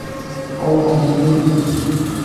Awḍemt nnig.